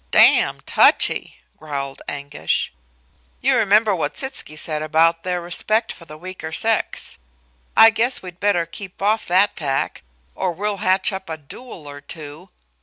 "Damned touchy!" growled Anguish. "You remember what Sitzky said about their respect for the weaker sex. I guess we'd better keep off that tack or we'll hatch up a duel or two.